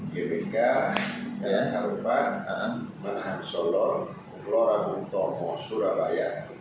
gbk jalan karupat manahan solon keluarga bung tomo surabaya